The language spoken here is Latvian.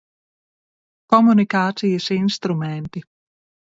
Komunikācijas instrumenti.